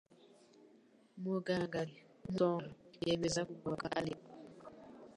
Muganga ati: "Umusonga", yemeza ko ubwoba bwa Alex.